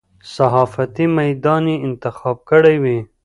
صحافتي میدان یې انتخاب کړی وي.